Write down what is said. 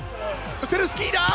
ムセルスキーだ。